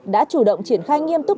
đã chủ động triển khai nghiêm túc